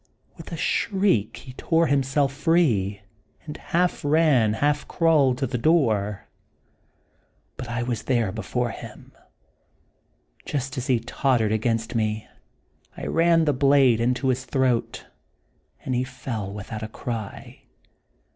With a shriek he tore himself free, and half ran, half crawled, to the door. But I was there 38 The Untold Sequel of before him. Just as he tottered against me I ran the blade into his throat, and he fell without a cry.